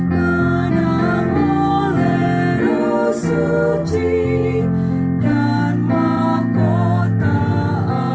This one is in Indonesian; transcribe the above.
karena muleru suci dan mahkota abadi